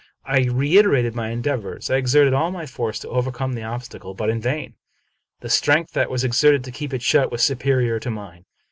I reiterated my endeavors. I exerted all my force to overcome the obstacle, but in vain. The strength that was exerted to keep it shut was superior to mine.